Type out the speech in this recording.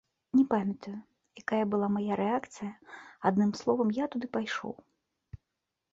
Не памятаю, якая была мая рэакцыя, адным словам, я туды пайшоў.